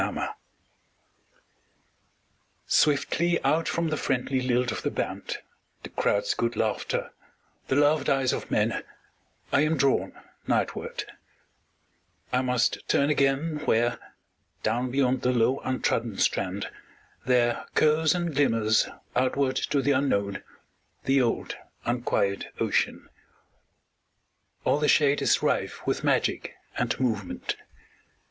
Seaside Swiftly out from the friendly lilt of the band, The crowd's good laughter, the loved eyes of men, I am drawn nightward; I must turn again Where, down beyond the low untrodden strand, There curves and glimmers outward to the unknown The old unquiet ocean. All the shade Is rife with magic and movement.